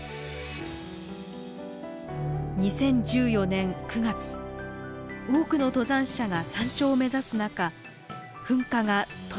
２０１４年９月多くの登山者が山頂を目指す中噴火が突然起きました。